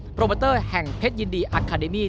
โปรโมเตอร์แห่งเพชรยินดีอาคาเดมี่